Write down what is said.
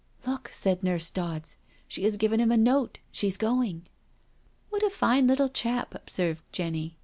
" Look," said Nurse Dodds, " she has given him a note— she's going." " What a fine little chap I ^' observed Jenny.